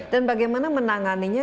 dan bagaimana menanganinya